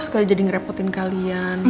sekali jadi ngerepotin kalian